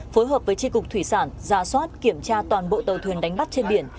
phối hợp với tri cục thủy sản ra soát kiểm tra toàn bộ tàu thuyền đánh bắt trên biển